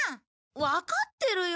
わかってるよ。